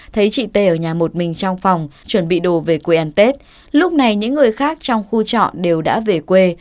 thấy chị t ở nhà một mình trong phòng chuẩn bị đồ về quê ăn tết lúc này những người khác trong khu trọ đều đã về quê